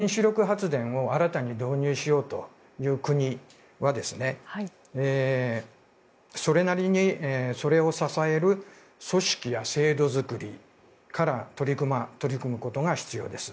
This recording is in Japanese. そこは、まさにおっしゃるとおりで原子力発電を新たに導入しようという国はそれなりにそれを支える組織や制度作りから取り組むことが必要です。